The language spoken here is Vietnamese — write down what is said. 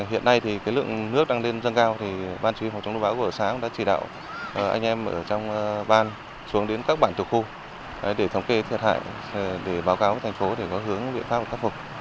hiện nay lượng nước đang lên dân cao ban chỉ huy phòng chống đông bão của xã đã chỉ đạo anh em ở trong ban xuống đến các bản tục khu để thống kê thiệt hại báo cáo thành phố để có hướng biện pháp khắc phục